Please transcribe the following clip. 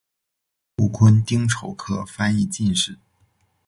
禄坤丁丑科翻译进士。